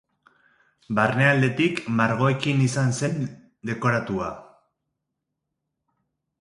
Barnealdetik, margoekin izan zen dekoratua.